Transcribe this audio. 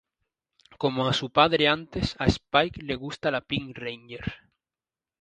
Como a su padre antes, a Spike le gusta la Pink Ranger.